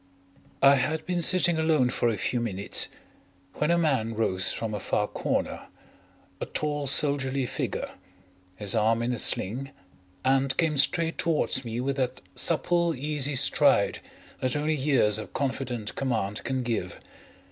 I had been sitting alone for a few minutes when a man rose from a far corner, a tall soldierly figure, his arm in a sling, and came straight towards me with that supple, easy stride that only years of confident command can give.